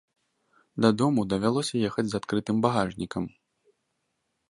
Дадому давялося ехаць з адкрытым багажнікам.